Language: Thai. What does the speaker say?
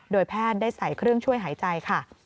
โดยแพทย์ได้ใส่เครื่องช่วยหายใจค่ะ